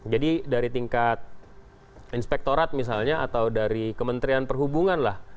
jadi dari tingkat inspektorat misalnya atau dari kementerian perhubungan lah